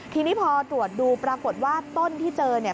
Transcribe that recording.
ทีนี้พอตรวจดูปรากฏว่าต้นที่เจอเนี่ย